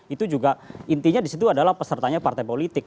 itu juga intinya disitu adalah pesertanya partai politik